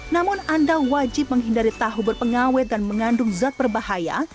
namun anda wajib menghindari tahu berpengawet dan mengandung zat berbahaya